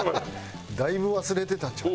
だいぶ忘れてたんちゃう？